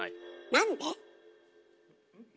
なんで。